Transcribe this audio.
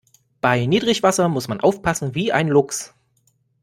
Bei Niedrigwasser muss man aufpassen wie ein Luchs.